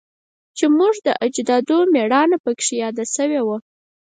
چې زموږ د اجدادو میړانه پکې یاده شوی وه